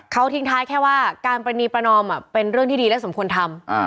เขาทิ้งท้ายแค่ว่าการประนีประนอมเป็นเรื่องที่ดีและสมควรทำ